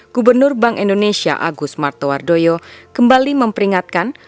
gubernur bank indonesia agus martowardoyo kembali memperingatkan